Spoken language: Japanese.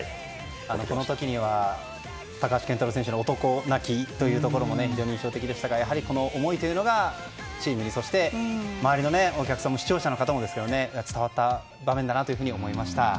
この時には高橋健太郎選手の男泣きというところも非常に印象的でしたがやはり思いというのがチームにそして周りのお客さんにも視聴者の方にも伝わった場面だなと思いました。